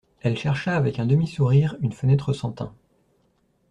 Elle chercha avec un demi-sourire une fenêtre sans tain.